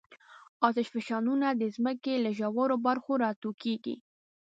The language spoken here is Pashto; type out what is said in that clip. آتشفشانونه د ځمکې له ژورو برخو راټوکېږي.